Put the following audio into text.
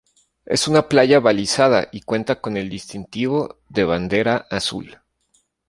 Es una playa balizada y cuenta con el distintivo de Bandera Azul.